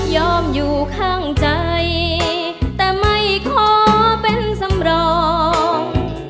อยู่ข้างใจแต่ไม่ขอเป็นสำรอง